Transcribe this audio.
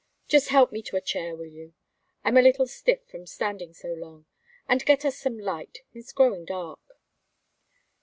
"Just help me to a chair, will you? I'm a little stiff from standing so long. And get us some light. It's growing dark."